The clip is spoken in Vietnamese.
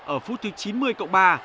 ở phút thứ chín mươi cộng ba